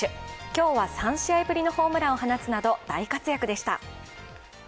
今日は３試合ぶりのホームランを放つなど大活躍でした。